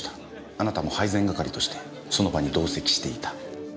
あなたも配膳係としてその場に同席していた。